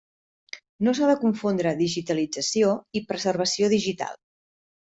No s'ha de confondre digitalització i preservació digital.